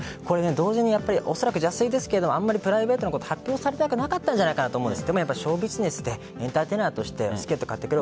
同時に邪推ですがプライベートのことを発表されたくなかったんじゃないかと思います。